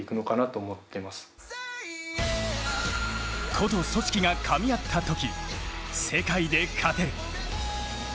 個と組織がかみ合ったとき、世界で勝てる。